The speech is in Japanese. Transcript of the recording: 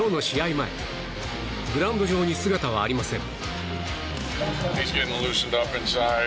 前、グラウンド上に姿はありません。